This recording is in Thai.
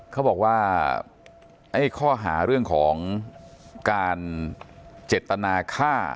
เขาบอกว่าไอ้ข้อหาเรื่องของการเจตนาฆ่า